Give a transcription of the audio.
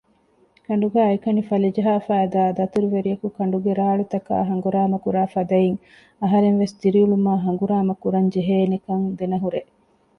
ކަނޑުގައި އެކަނި ފަލިޖަހާފައިދާ ދަތުރުވެރިޔަކު ކަނޑުގެ ރާޅުތަކާއި ހަނގުރާމަ ކުރާފަދައިން އަހަރެންވެސް ދިރިއުޅުމާއި ހަނގުރާމަ ކުރަން ޖެހޭނެކަން ދެނެހުރޭ